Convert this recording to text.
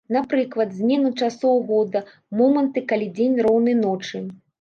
Напрыклад, змену часоў года, моманты, калі дзень роўны ночы.